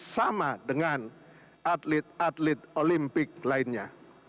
sama dengan atlet atlet olimpik lainnya